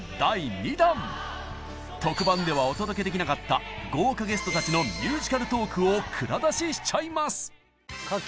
特番ではお届けできなかった豪華ゲストたちのミュージカルトークを蔵出ししちゃいます！